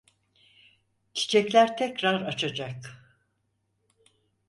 Çiçekler tekrar açacak.